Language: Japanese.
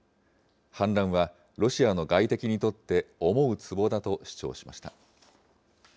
反乱はロシアの外敵にとって思うつぼだと主張しました。